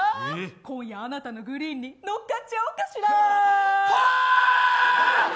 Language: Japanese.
今夜あなたのグリーンに乗っかっちゃおうかしら。